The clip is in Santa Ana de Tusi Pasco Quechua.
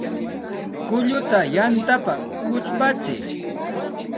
Kulluta yantapa kuchpatsiy